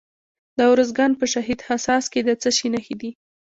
د ارزګان په شهید حساس کې د څه شي نښې دي؟